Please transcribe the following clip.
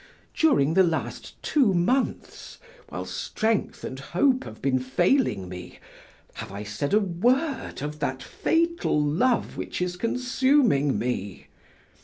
During the last two months, while strength and hope have been failing me, have I said a word of that fatal love which is consuming me?